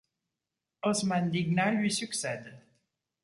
Osman Digna lui succède.